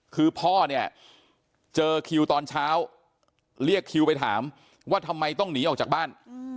คือพ่อเนี่ยเจอคิวตอนเช้าเรียกคิวไปถามว่าทำไมต้องหนีออกจากบ้าน